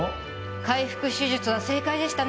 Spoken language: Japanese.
開腹手術は正解でしたね。